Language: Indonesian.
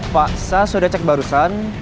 pak saya sudah cek barusan